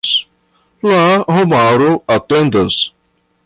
La homaro atendas.